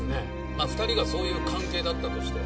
まぁ２人がそういう関係だったとして。